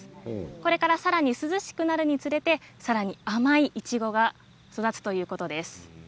これからさらに涼しくなるにつれてさらに甘いいちごが育つということです。